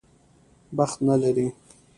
بخت نه لري.